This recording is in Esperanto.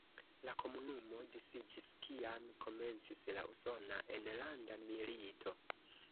La komunumo disiĝis, kiam komencis la Usona Enlanda Milito.